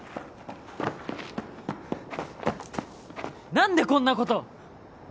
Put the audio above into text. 何でこんなことを！